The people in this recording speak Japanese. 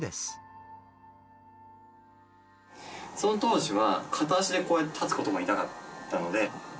その当時は、片足でこうやって立つことも痛かったので。